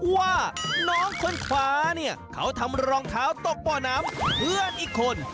ว่าน้องคนขวาเนี่ยเขาทำรองเท้าตกบ่อน้ำเพื่อนอีกคน